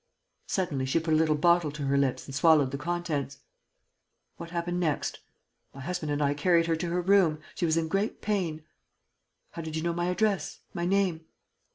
"Suddenly, she put a little bottle to her lips and swallowed the contents." "What happened next?" "My husband and I carried her to her room. She was in great pain." "How did you know my address, my name?"